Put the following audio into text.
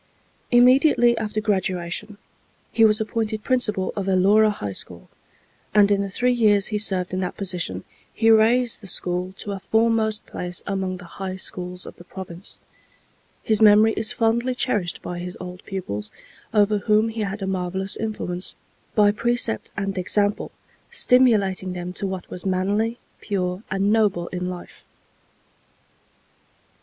Immediately after graduation he was appointed principal of Elora High School, and in the three years he served in that position he raised the school to a foremost place among the High Schools of the Province. His memory is fondly cherished by his old pupils, over whom he had a marvellous influence, by precept and example stimulating them to what was manly, pure and noble in life.